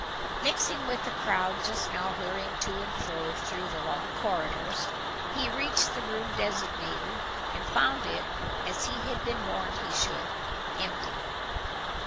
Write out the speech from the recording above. Mixing with the crowd just now hurrying to and fro through the long corridors, he reached the room designated and found it, as he had been warned he should, empty.